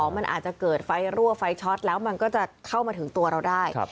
มันอาจจะเกิดไฟรั่วไฟช็อตแล้วมันก็จะเข้ามาถึงตัวเราได้